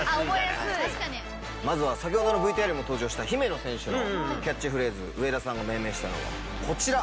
まずは先ほどのＶＴＲにも登場した姫野選手のキャッチフレーズ上田さんが命名したのがこちら！